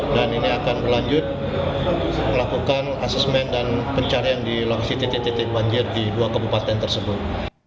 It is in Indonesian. dan ini akan berlanjut melakukan asesmen dan pencarian di lokasi titik titik banjir di dua kabupaten tersebut